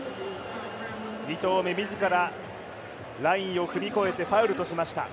２投目、自らラインを踏み越えて、ファウルとしました。